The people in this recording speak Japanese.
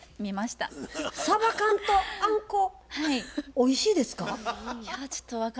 おいしいですか？